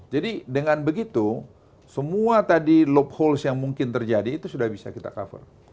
jadi dengan begitu semua tadi loopholes yang mungkin terjadi itu sudah bisa kita cover